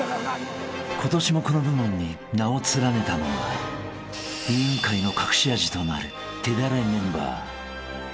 ［今年もこの部門に名を連ねたのは『委員会』の隠し味となる手だれメンバー］